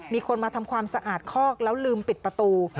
มีคนมาทำความสะอาดคอกแล้วลืมปิดประตู